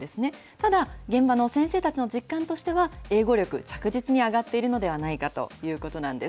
ただ、現場の先生たちの実感としては英語力、着実に上がっているのではないかということなんです。